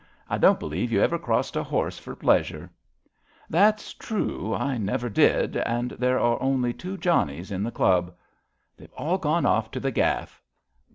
I don't believe you ever crossed a horse for pleas ure." That's true, I never did — and there are only two Johnnies in the Club." '' They've all gone off to the Gaff."